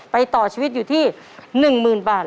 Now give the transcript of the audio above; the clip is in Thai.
ไปต่อชีวิตอยู่ที่๑หมื่นบาท